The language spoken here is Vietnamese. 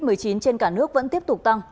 covid một mươi chín trên cả nước vẫn tiếp tục tăng